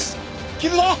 切るぞ！